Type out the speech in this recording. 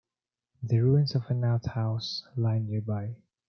The ruins of an outhouse lie nearby.